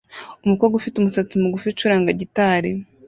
Umukobwa ufite umusatsi mugufi ucuranga gitari